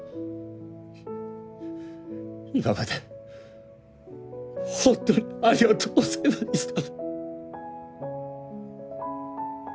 今までほんとにありがとうございました。